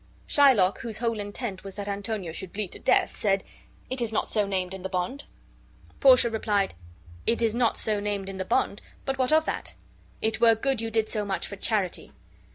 Shylock, whose whole intent was that Antonio should bleed to death, said, "It is not so named in the bond." Portia replied: "It is not so named in the bond, but what of that? It were good you did so much for charity."